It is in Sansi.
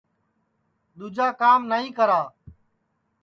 دؔوجا کام نائی کرا